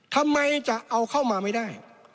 ทำไมจะเอาเข้ามาไม่ได้